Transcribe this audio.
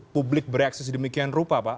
publik bereaksi sedemikian rupa pak